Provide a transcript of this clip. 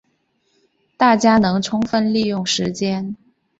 大家能充分利用时间